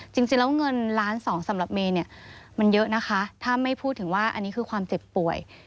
จริงแล้วเงินล้านสองสำหรับเมย์เนี่ยมันเยอะนะคะถ้าไม่พูดถึงว่าอันนี้คือความเจ็บป่วย